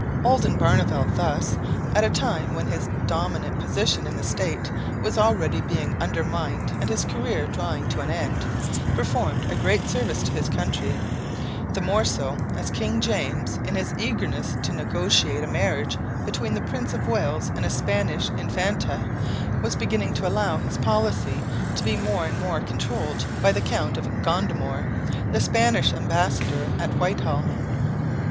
Oldenbarneveldt thus, at a time when his dominant position in the State was already being undermined and his career drawing to an end, performed a great service to his country, the more so as King James, in his eagerness to negotiate a marriage between the Prince of Wales and a Spanish infanta, was beginning to allow his policy to be more and more controlled by the Count of Gondomar, the Spanish ambassador at Whitehall.